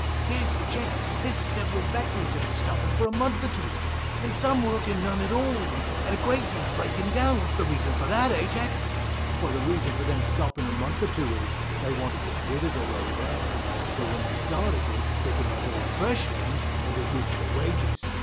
Bill. Yes, but Jack, there's several factories that's stopping for a month or two, and some working none at all, and a great deal breaking down; what's the reason of that, eh Jack? Jack. Why the reason of them stopping a month or two is, they want to get rid of their old hands; so that when they start again they can have all fresh hands, and reduce their wages.